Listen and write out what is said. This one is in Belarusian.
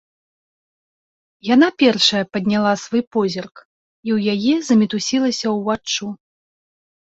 Яна першая падняла свой позірк, і ў яе замітусілася ўваччу.